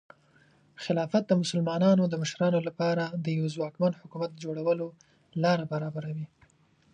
خلافت د مسلمانانو د مشرانو لپاره د یوه ځواکمن حکومت جوړولو لاره برابروي.